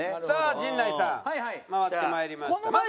さあ陣内さん回って参りました。